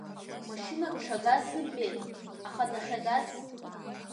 Машьынак дшагаз зымбеи, аха дахьагаз…